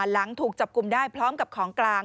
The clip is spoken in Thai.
หลังถูกจับกลุ่มได้พร้อมกับของกลาง